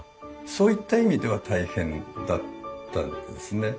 そういった意味では大変だったですね。